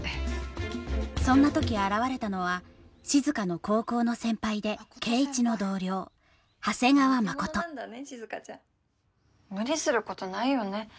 そんな時現れたのは静の高校の先輩で圭一の同僚長谷川真琴無理することないよね